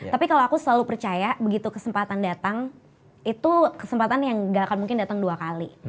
tapi kalau aku selalu percaya begitu kesempatan datang itu kesempatan yang gak akan mungkin datang dua kali